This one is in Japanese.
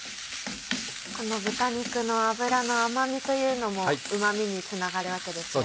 この豚肉の脂の甘味というのもうま味につながるわけですよね。